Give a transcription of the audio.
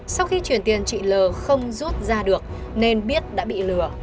sau khi chuyển tiền chị l không rút ra được nên biết đã bị lừa